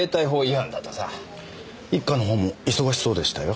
一課の方も忙しそうでしたよ。